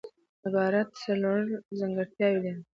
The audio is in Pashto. عبارت څلور ځانګړتیاوي لري.